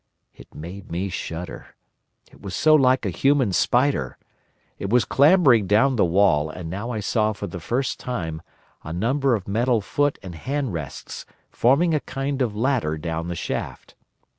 It made me shudder. It was so like a human spider! It was clambering down the wall, and now I saw for the first time a number of metal foot and hand rests forming a kind of ladder down the shaft.